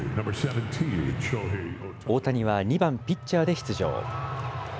大谷は２番ピッチャーで出場。